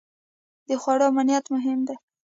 د خوړو امنیت مهم دی.